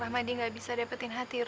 sampai di duit flashbankin